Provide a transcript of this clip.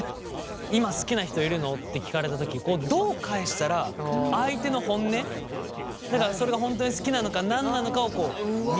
「今好きな人いるの？」って聞かれたときどう返したら相手の本音だからそれが本当に好きなのか何なのかを見極められるのか。